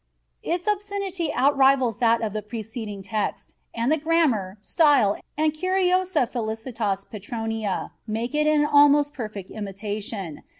Its obscenity outrivals that of the preceding text, and the grammar, style, and curiosa felicitas Petroniana make it an almost perfect imitation.